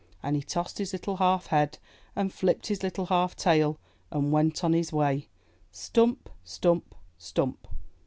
And he tossed his little half head and fUpped his little half tail and went on his way — stump! stump! stump!